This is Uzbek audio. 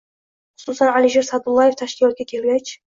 Xususan, Alisher Sa’dullayev tashkilotga kelgach